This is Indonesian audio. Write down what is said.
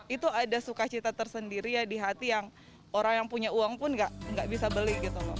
itu ada sukacita tersendiri di hati yang orang yang punya uang pun tidak bisa beli